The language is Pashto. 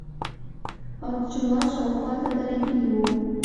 او د جومات شاوخواته درېدلي وو.